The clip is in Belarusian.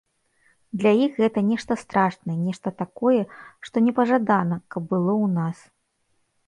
Для іх гэта нешта страшнае, нешта такое, што непажадана, каб было ў нас.